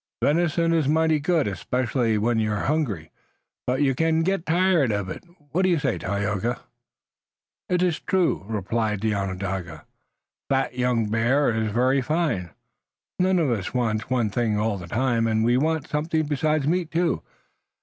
"Venison is mighty good, especially so when you're hungry, but you can get tired of it. What say you, Tayoga?" "It is true," replied the Onondaga. "Fat young bear is very fine. None of us wants one thing all the time, and we want something besides meat, too.